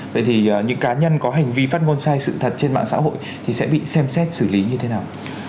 vậy thì những cá nhân có hành vi phát ngôn sai sự thật trên mạng xã hội thì sẽ bị xem xét xử lý như thế nào